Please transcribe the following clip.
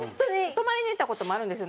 泊まりに行った事もあるんですよ